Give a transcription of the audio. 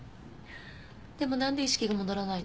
でもなんで意識が戻らないの？